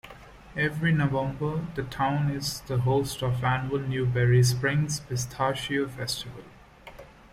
Every November, the town is the host of the annual Newberry Springs Pistachio Festival.